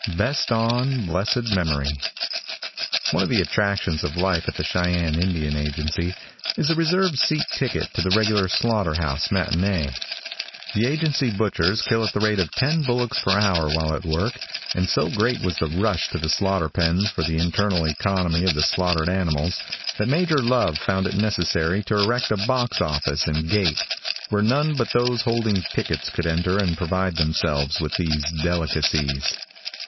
BEST ON, BLESSED MEMORY. |ONE of the attractions of life at the Cheyenne Indian agency, is the reserved seat ticket to the regular slaughter house matinee. The agency butchers kill at the rate of ten bullocks per hour while at work, and so great was the rush to the slaughter pens for the internal economy of the slaughtered animals, that Major Love found it necessary to erect a box office and gate, where none but those holding tickets could enter and provide themselves with these delicacies.